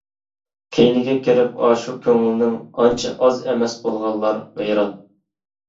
كەينىگە كىرىپ ئاشۇ كۆڭۈلنىڭ، ئانچە ئاز ئەمەس بولغانلار ۋەيران.